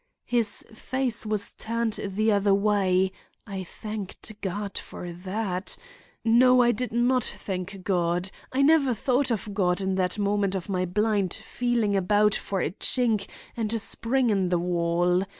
His face was turned the other way—I thanked God for that—no, I did not thank God; I never thought of God in that moment of my blind feeling about for a chink and a spring in the wall.